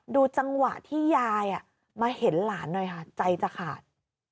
ดูจังหวะที่ยายมาเห็นหลานหน่อยค่ะใจจะขาด